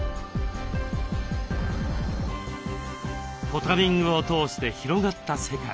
ポタリングを通して広がった世界。